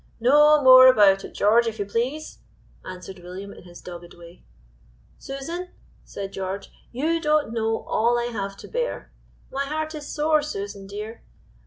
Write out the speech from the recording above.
"No more about it, George, if you please," answered William in his dogged way. "Susan," said George, "you don't know all I have to bear. My heart is sore, Susan, dear.